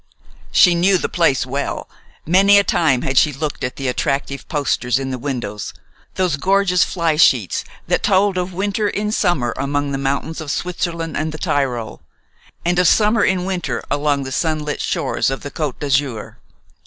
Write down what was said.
She knew the place well. Many a time had she looked at the attractive posters in the windows, those gorgeous fly sheets that told of winter in summer among the mountains of Switzerland and the Tyrol, and of summer in winter along the sunlit shores of the Côte d'Azur.